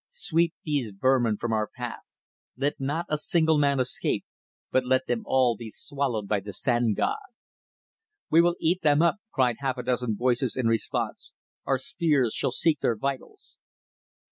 "Sweep these vermin from our path. Let not a single man escape; but let them all be swallowed by the Sand God." "We will eat them up," cried half a dozen voices in response. "Our spears shall seek their vitals."